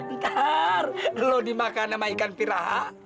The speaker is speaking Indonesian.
ntar dulu dimakan sama ikan piraha